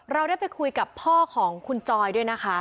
เราได้ไปคุยกับพ่อของคุณจอยด้วยนะคะ